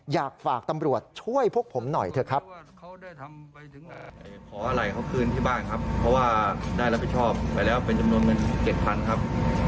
อยากฝากตำรวจช่วยพวกผมหน่อยเถอะครับ